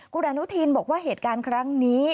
คุณอนุทินบอกว่าเหตุการณ์ครั้งนี้